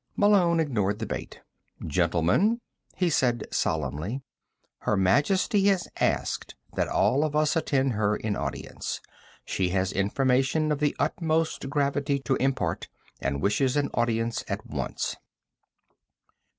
Malone ignored the bait. "Gentlemen," he said solemnly, "Her Majesty has asked that all of us attend her in audience. She has information of the utmost gravity to impart, and wishes an audience at once."